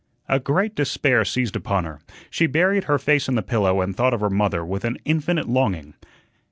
A great despair seized upon her. She buried her face in the pillow and thought of her mother with an infinite longing.